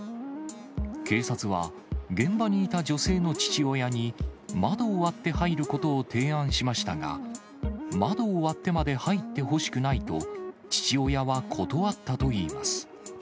警察は、現場にいた女性の父親に、窓を割って入ることを提案しましたが、窓を割ってまで入ってほしくないと、父親は断ったといいます。